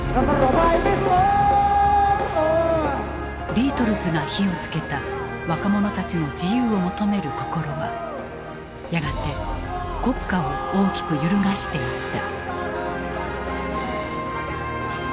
ビートルズが火を付けた若者たちの自由を求める心はやがて国家を大きく揺るがしていった。